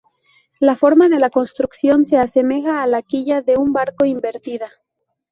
La forma de la construcción se asemeja a la quilla de un barco invertida.